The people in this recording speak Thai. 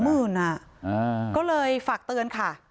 มี๒๐๐๐๐เลยฝากเตือน๔ค่ะ